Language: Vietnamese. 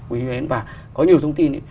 quý huyến và có nhiều thông tin